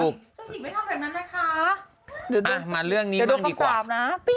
ป่ะมาเรื่องนี้มา